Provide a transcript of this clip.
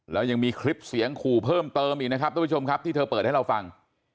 แล้วยังมีคลิปเสียงขู่เพิ่มเติมอีกนะครับทุกผู้ชมครับที่เธอเปิดให้เราฟัง